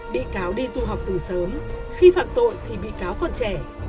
bị cáo đi du học từ sớm khi phạm tội thì bị cáo còn trẻ